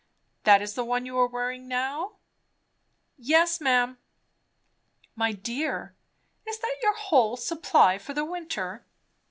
"That is the one you are wearing now?" "Yes, ma'am." "My dear, is that your whole supply for the winter?"